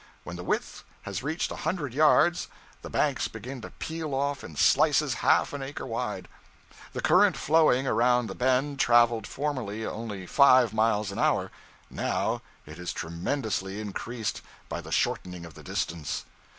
When the width has reached a hundred yards, the banks begin to peel off in slices half an acre wide. The current flowing around the bend traveled formerly only five miles an hour; now it is tremendously increased by the shortening of the distance.